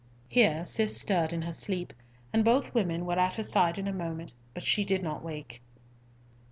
Here Cis stirred in her sleep, and both women were at her side in a moment, but she did not wake.